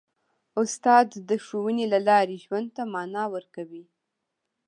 استاد د ښوونې له لارې ژوند ته مانا ورکوي.